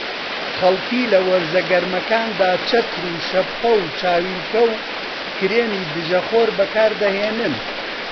خەڵکی لە وەرزە گەرمەکاندا چەتر و شەپقە و چاویلکە و کرێمی دژەخۆر بەکاردەهێنن